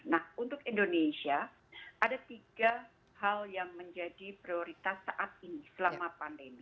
nah untuk indonesia ada tiga hal yang menjadi prioritas saat ini selama pandemi